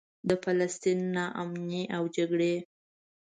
د فلسطین نا امني او جګړې.